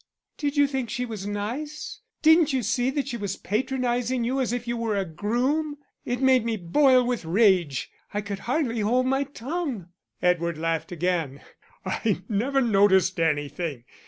"Did you think she was nice? Didn't you see that she was patronising you as if you were a groom. It made me boil with rage. I could hardly hold my tongue." Edward laughed again. "I never noticed anything.